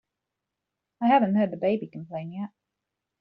I haven't heard the baby complain yet.